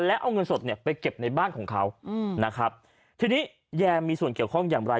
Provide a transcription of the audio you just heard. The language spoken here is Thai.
แล้วเอาเงินสดเนี่ยไปเก็บในบ้านของเขาอืมนะครับทีนี้แยมมีส่วนเกี่ยวข้องอย่างไร